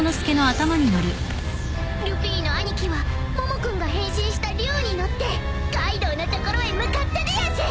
［ルフィの兄貴はモモ君が変身した龍に乗ってカイドウのところへ向かったでやんす］